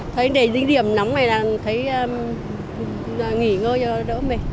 thấy để dính điểm nóng này là nghỉ ngơi cho đỡ mệt